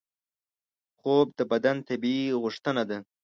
خوب د بدن طبیعي غوښتنه ده